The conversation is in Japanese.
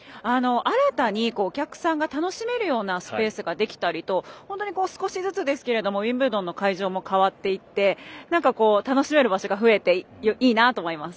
新たにお客さんが楽しめるようなスペースができたりと本当に少しずつですけれどウィンブルドンの会場も変わっていって楽しめる場所が増えていいなと思います。